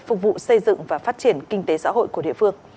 phục vụ xây dựng và phát triển kinh tế xã hội của địa phương